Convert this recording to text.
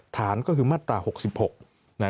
ฐานก็คือมาตรา๖๖นะ